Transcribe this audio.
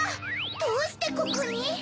どうしてここに？